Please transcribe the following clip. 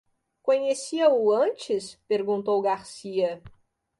Conhecia-o antes? perguntou Garcia.